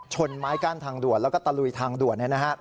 ไม้กั้นทางด่วนแล้วก็ตะลุยทางด่วน